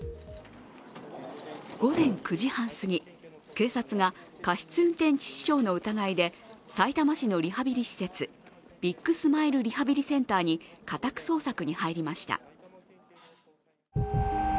午前９時半すぎ、警察が過失運転致死傷の疑いでさいたま市のリハビリ施設ビッグスマイルリハビリセンターに家宅捜索に入りました。